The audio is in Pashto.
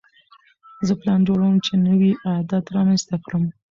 زه پلان جوړوم چې نوی عادت رامنځته کړم.